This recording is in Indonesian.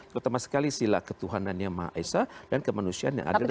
terutama sekali sila ketuhanannya maha esa dan kemanusiaan yang ada dan berada